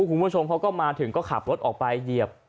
คุณผู้ชมเขาก็มาถึงก็ขับรถออกไปเหยียบ